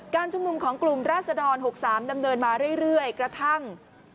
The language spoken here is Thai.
ชุมนุมของกลุ่มราศดร๖๓ดำเนินมาเรื่อยกระทั่ง